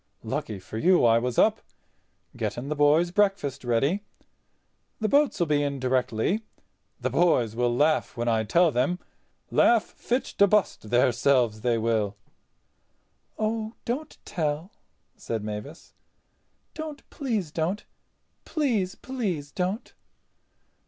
Lucky for you I was up—getting the boys' breakfast ready. The boats'll be in directly. The boys will laugh when I tell them—laugh fit to bust their selves they will." "Oh, don't tell," said Mavis, "don't, please don't. Please, please don't."